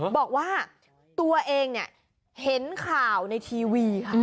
บอกว่าตัวเองเห็นข่าวในทีวี